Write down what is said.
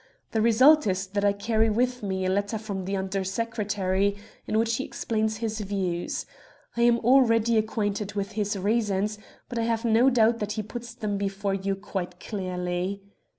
The result is that I carry with me a letter from the Under Secretary in which he explains his views. I am already acquainted with his reasons, but I have no doubt that he puts them before you quite clearly."